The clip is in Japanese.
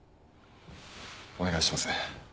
お願いします。